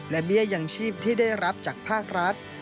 และเบี้ยยังชีพที่ได้รับจากภาครัฐ